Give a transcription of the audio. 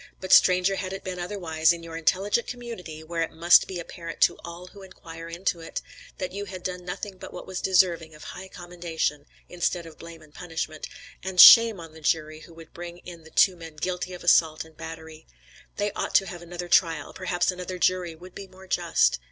But stranger had it been otherwise, in your intelligent community, where it must be apparent to all who inquire into it, that you had done nothing but what was deserving of high commendation, instead of blame and punishment; and shame on the jury who would bring in the two men guilty of assault and battery. They ought to have another trial; perhaps another jury would be more just.